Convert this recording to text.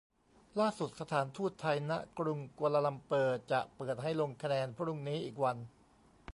ล่าสุดสถานทูตไทยณ.กรุงกัวลาลัมเปอร์จะเปิดให้ลงคะแนนพรุ่งนี้อีกวัน